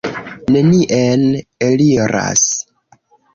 Nenien eliras.